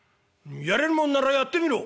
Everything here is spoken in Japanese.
やれるもんならやってみろ」。